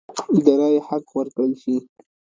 د رایې حق ورکړل شي.